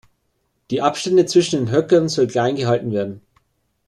Die Abstände zwischen den Höckern sollen klein gehalten werden.